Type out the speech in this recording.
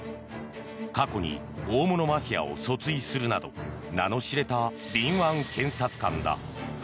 過去に大物マフィアを訴追するなど名の知れた敏腕検察官だ。